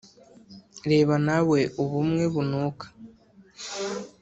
Reba na we ubumwe bunuka